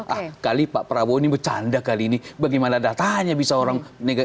ah kali pak prabowo ini bercanda kali ini bagaimana datanya bisa orang